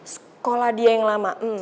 sekolah dia yang lama